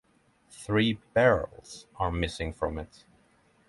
Three beryls are missing from it.